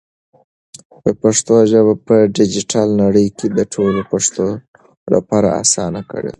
پښتو ژبه په ډیجیټل نړۍ کې د ټولو پښتنو لپاره اسانه کړئ.